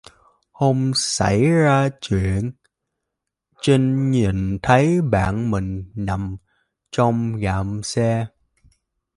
hôm sảy ra truyện, Trinh nhìn thấy bạn mình nằm trong gầm xe